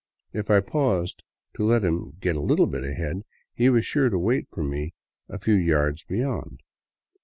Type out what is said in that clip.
If I paused to let him get a bit ahead, he was sure to wait for me a few yards beyond.